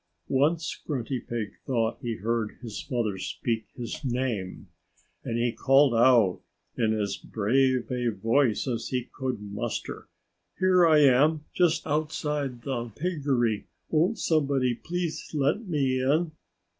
Once Grunty Pig thought he heard his mother speak his name. And he called out in as brave a voice as he could muster, "Here I am, just outside the piggery! Won't somebody please let me in?"